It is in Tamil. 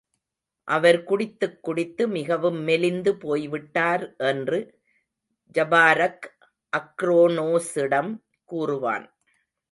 அவர் குடித்துக்குடித்து மிகவும், மெலிந்து போய்விட்டார் என்று ஜபாரக் அக்ரோனோசிடம் கூறுவான்.